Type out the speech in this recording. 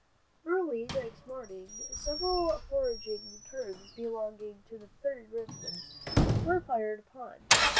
Early next morning several foraging teams belonging to the Third Regiment were fired upon.